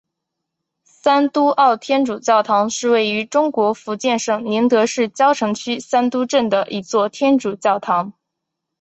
三都澳天主教堂是位于中国福建省宁德市蕉城区三都镇的一座天主教堂。